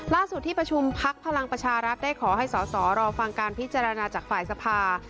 ที่ประชุมพักพลังประชารัฐได้ขอให้สอสอรอฟังการพิจารณาจากฝ่ายสภา